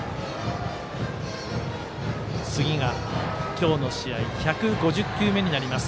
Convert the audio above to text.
今日の試合１５０球目になります。